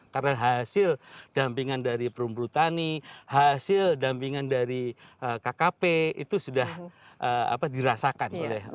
karena hasil dampingan dari perumbrutani hasil dampingan dari kkp itu sudah dirasakan oleh masyarakat